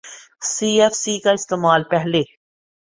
سی F C کا استعمال پہلے